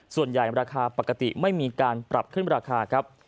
ส่วนใหญ่ราคาปกติไม่มีการปรับขึ้นราคาครับ